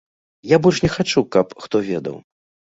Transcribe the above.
І я больш не хачу, каб хто ведаў.